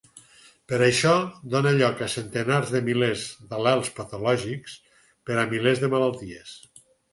Per això dóna lloc a centeners de milers d'al·lels patològics per a milers de malalties.